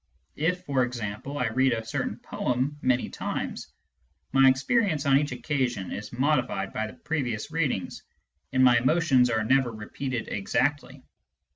If, for example, I read a certain poem many times, my experience on each occasion is modified by the previous readings, and my emotions are never repeated exactly.